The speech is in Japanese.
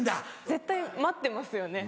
絶対待ってますよね。